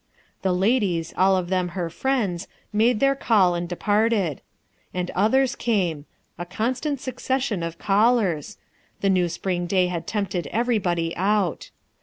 Th e ladies, all of them her friends, made their call and departed. And others came — a constant succession of callers; the new spring day had tempted everybody out.